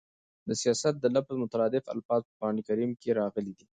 د سیاست د لفظ مترادف الفاظ په قران کريم کښي راغلي دي.